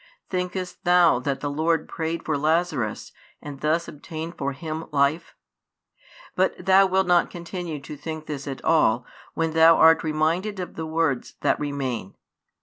Thinkest thou that the Lord prayed for Lazarus, and thus obtained for him life? But thou wilt not continue to think this at all, when thou art reminded of the words that remain.